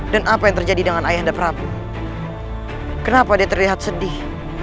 dan apa yang terjadi dengan ayah anda prabu kenapa dia terlihat sedih